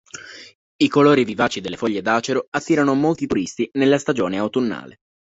I colori vivaci delle foglie di acero attirano molti turisti nella stagione autunnale.